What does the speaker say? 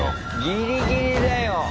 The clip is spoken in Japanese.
ギリギリだよ。